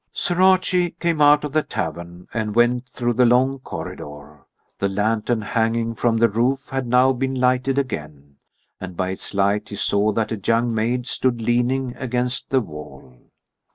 IV Sir Archie came out of the tavern and went through the long corridor. The lantern hanging from the roof had now been lighted again, and by its light he saw that a young maid stood leaning against the wall.